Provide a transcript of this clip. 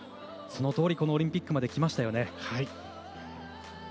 そのとおりこのオリンピックまで来ました。